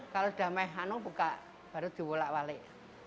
kalau sudah mehano buka baru diulak walik